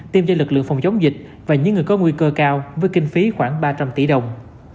tiêm cho lực lượng phòng chống dịch và những người có nguy cơ cao với kinh phí khoảng ba trăm linh tỷ đồng